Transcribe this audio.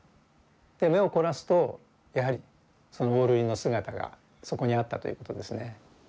目を凝らすとやはりそのオオルリの姿がそこにあったということですね。